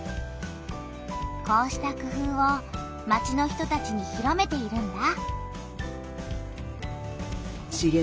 こうした工夫を町の人たちに広めているんだ。